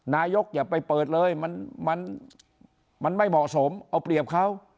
อย่าไปเปิดเลยมันไม่เหมาะสมเอาเปรียบเขา